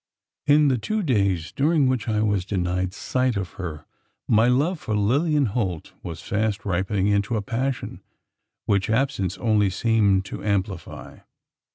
In the two days during which I was denied sight of her my love for Lilian Holt was fast ripening into a passion which absence only seemed to amplify.